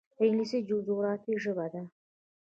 انګلیسي د جغرافیې ژبه ده